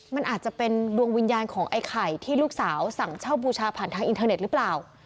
มันอาจจะเป็นดวงวิญญาณของไอ้ไข่ที่ลูกสาวสั่งเช่าบูชาผ่านทางอินเทอร์เน็ตหรือเปล่า